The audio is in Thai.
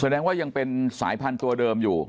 แสดงว่ายังเป็นสายพันธุ์ตัวเดิมอยู่